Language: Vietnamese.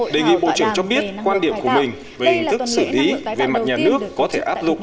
đề nghị bộ trưởng cho biết quan điểm của mình là hình thức xử lý về mặt nhà nước có thể áp dụng